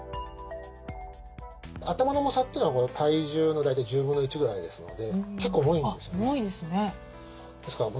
頭の重さってのは体重の大体１０分の１ぐらいですので結構重いんですよね。